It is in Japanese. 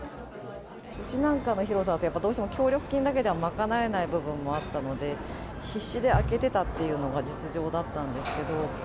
うちなんかの広さだと、どうしても協力金だけでは賄えない部分もあったので、必死で開けてたっていうのが実情だったんですけど。